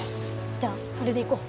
じゃあそれでいこう。